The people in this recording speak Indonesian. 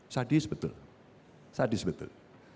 sadis betul sadis betul